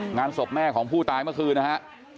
งานศพแม่ของผู้ตายเมื่อคืนนะฮะ